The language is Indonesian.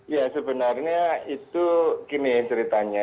ya sebenarnya itu gini ya ceritanya